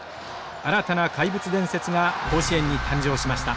新たな怪物伝説が甲子園に誕生しました。